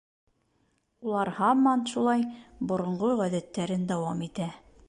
Улар һаман шулай боронғо ғәҙәттәрен дауам итә.